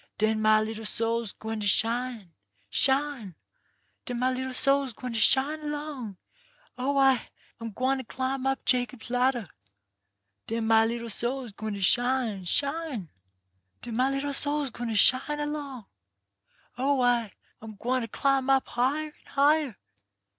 Den my little soul's gwine to shine, shine; Den my little soul's gwine to shine along. Oh ! I'm gwine to climb up Jacob's ladder. Den my little soul's gwine to shine, shine. Den my little soul's gwine to shine along. Oh ! I'm gwine to climb up higher an' higher.